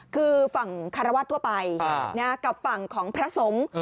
คือฝั่งคารวาสทั่วไปกับฝั่งของพระสงฆ์